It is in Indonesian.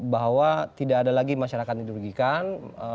bahwa tidak ada lagi masyarakat yang dirugikan